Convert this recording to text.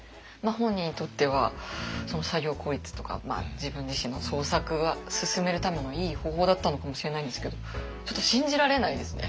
本人にとっては作業効率とか自分自身の創作を進めるためのいい方法だったのかもしれないんですけどちょっと信じられないですね。